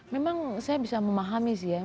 memang saya bisa memahami sih ya